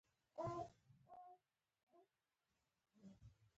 دې هر څه تر ډېره دوام ونه کړ.